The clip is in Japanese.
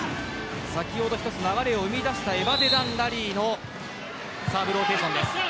先ほど流れをつくり出したエバデダン・ラリーのサーブローテーションです。